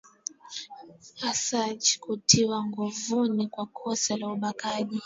asanch kutiwa nguvuni kwa kosa la ubakaji